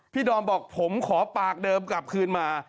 ดอมบอกผมขอปากเดิมกลับคืนมา